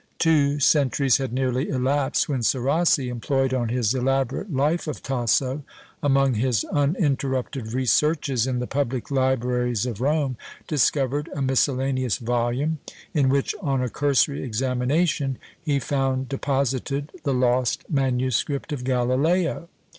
Two centuries had nearly elapsed, when Serassi, employed on his elaborate Life of Tasso, among his uninterrupted researches in the public libraries of Rome, discovered a miscellaneous volume, in which, on a cursory examination, he found deposited the lost manuscript of Galileo!